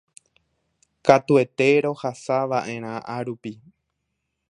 katuete rohasava'erã árupi